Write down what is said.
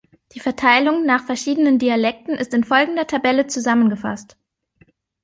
Die Verteilung nach verschiedenen Dialekten ist in folgender Tabelle zusammengefasst.